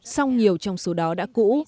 song nhiều trong số đó đã cũ